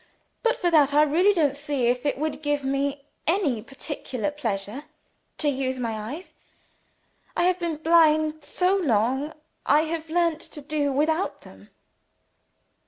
But for that, I really don't feel as if it would give me any particular pleasure to use my eyes. I have been blind so long, I have learnt to do without them."